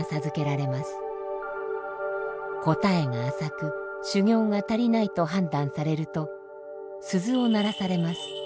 答えが浅く修行が足りないと判断されると鈴を鳴らされます。